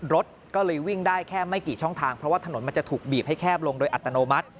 รถก็เลยวิ่งได้แค่ไม่กี่ช่องทางเพราะว่าถนนมันจะถูกบีบให้แคบลงโดยอัตโนมัติ